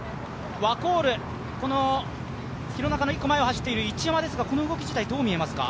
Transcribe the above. ワコール、廣中の１個前を走っている一山ですが、この動きどう見ますか？